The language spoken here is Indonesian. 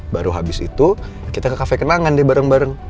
baru habis itu kita ke kafe kenangan nih bareng bareng